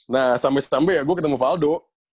nah sampe sampe ya gue ketemu faldu